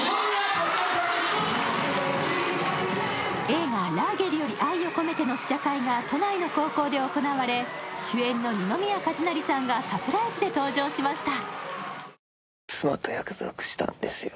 映画「ラーゲリより愛を込めて」の試写会が都内の高校で行われ主演の二宮和也さんがサプライズで登場しました。